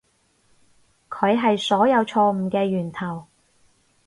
佢係所有錯誤嘅源頭